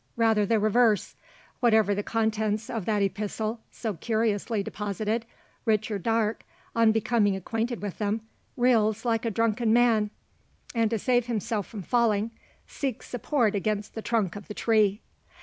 Rather the reverse. Whatever the contents of that epistle, so curiously deposited, Richard Darke, on becoming acquainted with them, reels like a drunken man; and to save himself from falling, seeks support against the trunk of the tree!